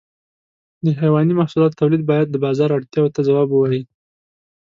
د حيواني محصولاتو تولید باید د بازار اړتیاو ته ځواب ووایي.